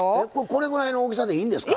これぐらいの大きさでいいんですか？